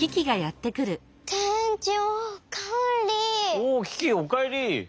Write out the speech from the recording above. おおキキおかえり。